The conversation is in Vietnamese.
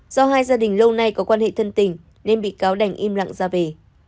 do hai gia đình lâu nay có quan hệ thân tình nên bị cáo đành im lặng ra về